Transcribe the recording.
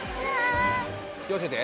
気をつけて。